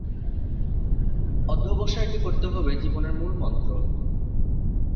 অধ্যবসায়কে করতে হবে জীবনের মূলমন্ত্র।